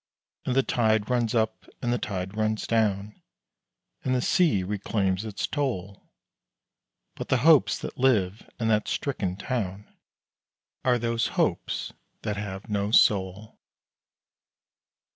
And the tide runs up and the tide runs down, And the sea reclaims its toll; But the hopes that live in that stricken town Are those hopes that have no soul.